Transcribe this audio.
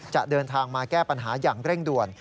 จะเดินทางมาแก้ปัญหาอย่างเร่งด่วน